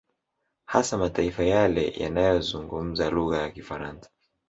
Hasa mataifa yale yanayozungumza lugha ya Kifaransa